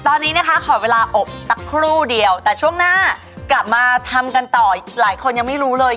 ตอนนี้นะคะขอเวลาอบสักครู่เดียวแต่ช่วงหน้ากลับมาทำกันต่อหลายคนยังไม่รู้เลย